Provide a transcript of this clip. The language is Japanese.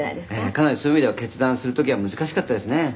「かなりそういう意味では決断する時は難しかったですね」